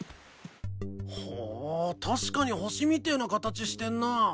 ほう確かに星みてえな形してんな。